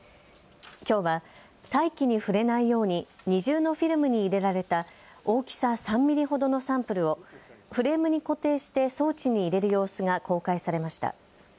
きょうは大気に触れないように二重のフィルムに入れられた大きさ３ミリほどのサンプルをフレームに固定して装置に入れる様子が公開されました。